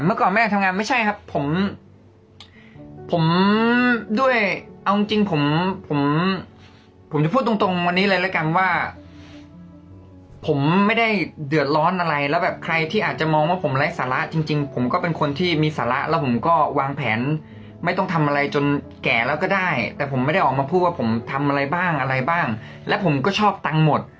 ผมจะพูดตรงวันนี้เลยละกังว่าผมไม่ได้เดือดร้อนอะไรแล้วแบบใครที่อาจจะมองว่าผมไร้สาระจริงผมก็เป็นคนที่มีสาระแล้วผมก็วางแผนไม่ต้องทำอะไรจนแก่แล้วก็ได้แต่ผมไม่ได้ออกมาพูดว่าผมทำอะไรบ้างอะไรบ้างและผมก็ชอบตังค์หมด